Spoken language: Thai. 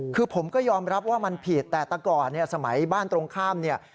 คือผมก็ยอมรับว่ามันผิดแต่ตะก่อนเนี่ยสมัยบ้านตรงข้ามเนี่ย